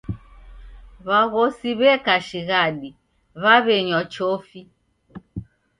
W'aghosi w'eka shighadi w'aw'enywa chofi.